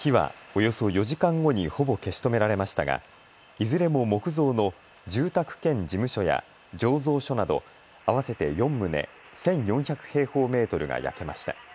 火はおよそ４時間後にほぼ消し止められましたがいずれも木造の住宅兼事務所や醸造所など合わせて４棟１４００平方メートルが焼けました。